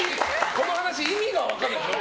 この話意味が分からないでしょ？